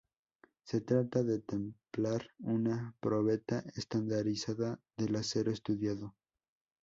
Se trata de templar una probeta estandarizada del acero estudiado.